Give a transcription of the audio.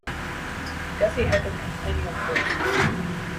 Gussie had been complaining of thirst.